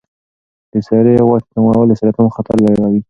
د سرې غوښې کمول د سرطان خطر لږوي.